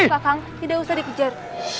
kakang tidak usah dikejar